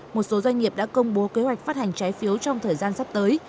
một số doanh nghiệp đã công bố kế hoạch phát hành trái phiếu trong thời gian sắp tới